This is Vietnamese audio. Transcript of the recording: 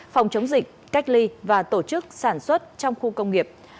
phòng chống dịch cách ly và tổ chức sản xuất trong khu công nghiệp